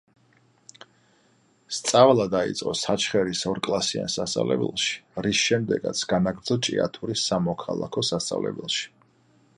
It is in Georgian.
სწავლა დაიწყო საჩხერის ორკლასიან სასწავლებელში, რის შემდეგაც განაგრძო ჭიათურის სამოქალაქო სასწავლებელში.